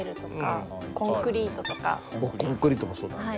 コンクリートもそうだね。